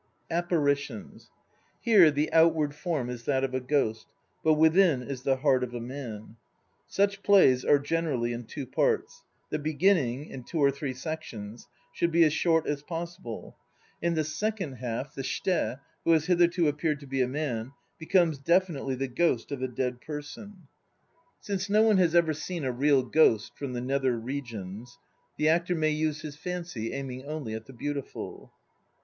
APPARITIONS Here the outward form is that of a ghost; but within is the heart of a man. Such plays are generally in two parts. The beginning, in two or sections, should be as short as possible. In the second half the shite (who has hitherto appeared to be a man) becomes definitely the ghost of a dead person. 26 INTRODUCTION Since no one has ever seen a real ghost l from the Nether Regions, the actor may use his fancy, aiming only at the beautiful.